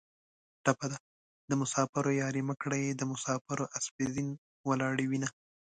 ټپه ده: د مسافرو یارۍ مه کړئ د مسافرو اسپې زین ولاړې وینه